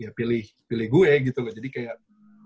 ya pilih pilih gue gitu loh jadi kayak